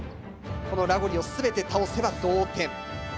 このラゴリを全て倒せば同点。